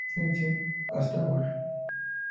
Christiansen, hasta ahora.